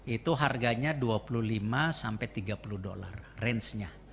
itu harganya dua puluh lima sampai tiga puluh dolar range nya